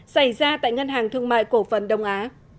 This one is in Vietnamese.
xảy ra tại ngân hàng thương mại cổ phần đông á